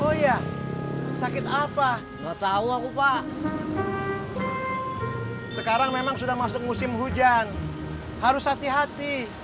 oh iya sakit apa enggak tahu aku pak sekarang memang sudah masuk musim hujan harus hati hati